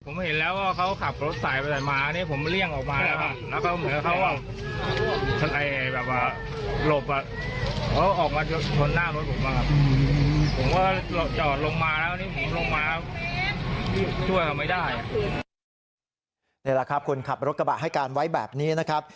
นี่แหละครับคนขับรถกระบะให้การไว้แบบนี้นะครับ